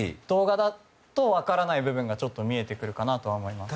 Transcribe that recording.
動画だと、分からない部分が見えてくるかなとは思います。